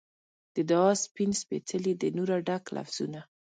د دعا سپین سپیڅلي د نوره ډک لفظونه